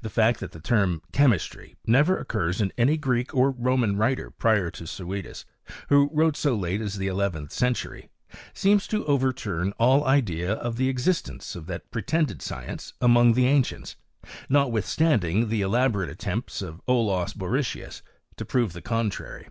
The fiact that the term chemistry (xiififto) never occurs in any Greek or Roman writer prior to Suidas, who wrote so late as th€ elevendi century, seems to overturn all idea of thf existence of that pretended science among the an cients, notwithstanding the elaborate attempts o: Olaus Borrichius to prove the contrary.